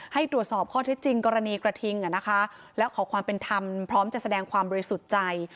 ให้ตรวจสอบข้อเท็จจริงกรณีกระทิงและขอความเป็นธรรมพร้อมจะแสดงความบริสุทธิ์ใจ